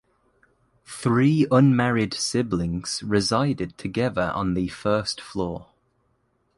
Three unmarried siblings resided together on the first floor.